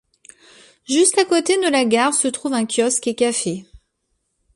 Juste à côté de la gare se trouve un kiosque et café.